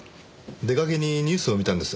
出掛けにニュースを見たんです。